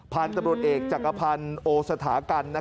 พันธ์ตำรวจเอกจักรภัณฑ์โอสถากัณฑ์นะครับ